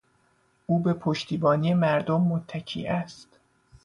او به پشتیبانی مردم متکی است.